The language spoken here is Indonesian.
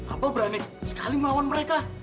apa berani sekali melawan mereka